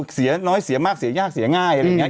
เสียน้อยเสียมากเสียยากเสียง่ายอะไรอย่างนี้